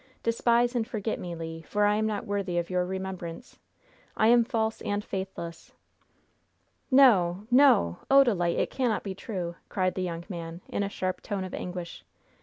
Despise and forget me, Le! for I am not worthy of your remembrance. I am false and faithless!" "No, no! Odalite, it cannot be true!" cried the young man, in a sharp tone of anguish.